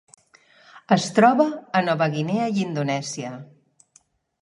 Es troba a Nova Guinea i Indonèsia.